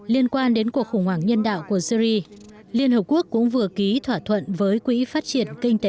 liên quan đến cuộc khủng hoảng nhân đạo của syri liên hợp quốc cũng vừa ký thỏa thuận với quỹ phát triển kinh tế